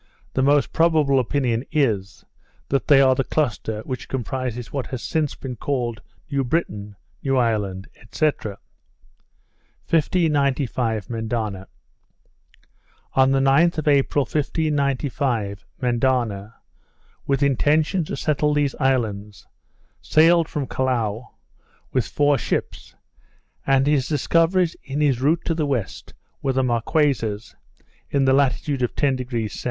The most probable opinion is, that they are the cluster which comprises what has since been called New Britain, New Ireland, &c. 1595 Mendana. On the 9th of April, 1595, Mendana, with intention to settle these islands, sailed from Callao, with four ships; and his discoveries in his route to the west, were the Marquesas, in the latitude of 10° S.